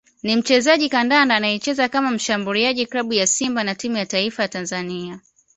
ni mchezaji kandanda anayecheza kama mshambuliaji klabu ya Simba na timu ya Taifa Tanzania